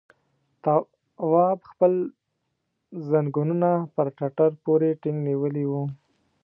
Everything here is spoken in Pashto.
تواب خپل ځنګنونه پر ټټر پورې ټينګ نيولي وو.